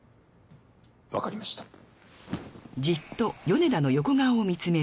わかりました。